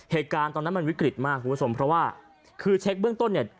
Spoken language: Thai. เหตุการณ์ตอนนั้นมันวิกฤตมากคุณผู้ชมเพราะว่าคือเช็คเบื้องต้นเนี่ย